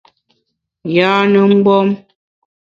Yâne mgbom !